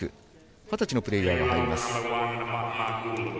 二十歳のプレーヤーが入ります。